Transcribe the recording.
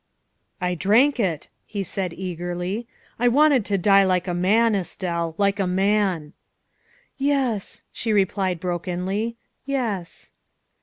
" I drank it," he said eagerly, " I wanted to die like a man, Estelle like a man." " Yes," she replied brokenly, " yes."